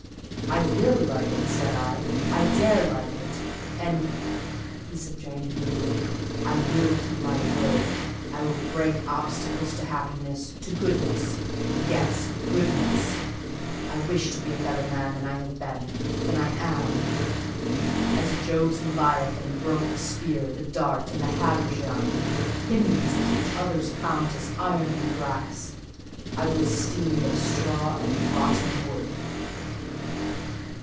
"'I will like it,' said I; 'I dare like it;' and" (he subjoined moodily) "I will keep my word; I will break obstacles to happiness, to goodness—yes, goodness. I wish to be a better man than I have been, than I am; as Job's leviathan broke the spear, the dart, and the habergeon, hindrances which others count as iron and brass, I will esteem but straw and rotten wood."